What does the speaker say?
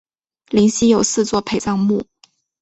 灵犀有四座陪葬墓。